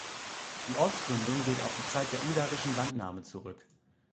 Die Ortsgründung geht auf die Zeit der ungarischen Landnahme zurück.